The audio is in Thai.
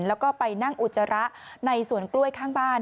แล้วก็ไปนั่งอุจจาระในสวนกล้วยข้างบ้าน